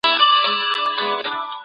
رواني پوهاوی مرسته کوي.